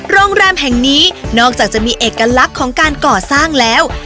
โรงแรมแห่งนี้นอกจากจะมีเอกลักษณ์ของการก่อสร้างแล้ว